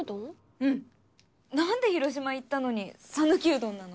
うんなんで広島行ったのに讃岐うどんなの？